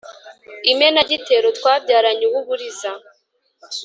imenagitero twabyaranye uw’uburiza